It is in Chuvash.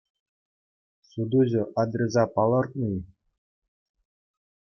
Сутуҫӑ адреса палӑртнӑ-и?